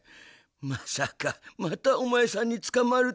まさかまたおまえさんにつかまるとはのう。